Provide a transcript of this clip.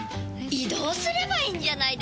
移動すればいいんじゃないですか？